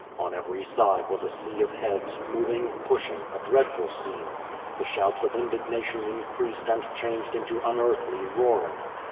On every side was a sea of heads, moving, pushing, a dreadful scene. The shouts of in dignation increased and changed into unearthly roaring.